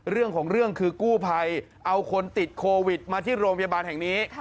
เรื่องของเรื่องคือกู้ภัยเอาคนติดโควิดมาที่โรงพยาบาลแห่งนี้